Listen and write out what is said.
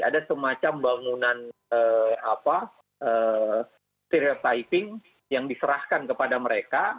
ada semacam bangunan stereotyping yang diserahkan kepada mereka